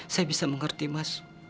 saya bisa mengerti mas